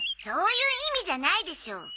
そういう意味じゃないでしょ。